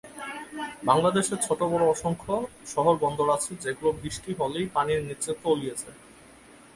বাংলাদেশের ছোট-বড় অসংখ্য শহর-বন্দর আছে, যেগুলো বৃষ্টি হলেই পানির নিচে তলিয়ে যায়।